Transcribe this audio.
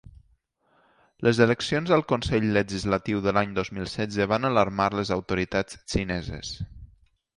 Les eleccions al consell legislatiu de l’any dos mil setze van alarmar les autoritats xineses.